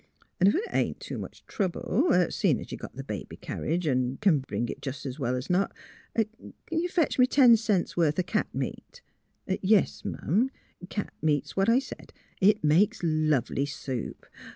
... 'N', ef it ain't too much trouble — seein' you got th' baby kerridge 'n' c'n bring it jus' 's well 's not — fetch me ten cents' worth o' cat meat. ... Yes'm, cat meat 's what I said. It makes lovely soup.